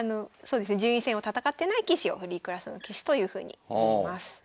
順位戦を戦ってない棋士をフリークラスの棋士というふうにいいます。